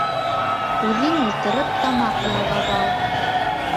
Үҙең ултырып тамаҡ ялғап ал.